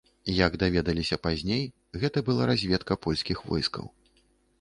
Як даведаліся пазней, гэта была разведка польскіх войскаў.